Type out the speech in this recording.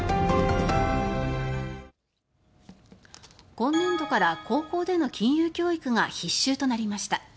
今年度から高校での金融教育が必修となりました。